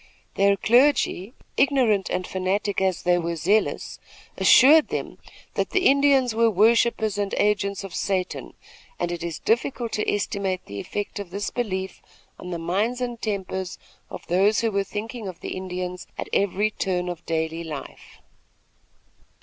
Their clergy, ignorant and fanatic as they were zealous, assured them that the Indians were worshippers and agents of Satan; and it is difficult to estimate the effect of this belief on the minds and tempers of those who were thinking of the Indians at every turn of daily life.